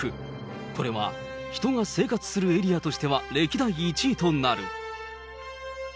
これは人が生活するエリアとしては歴代１位となる。